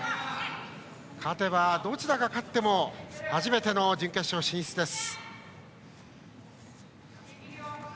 勝てば、どちらが勝っても初めての準決勝進出です。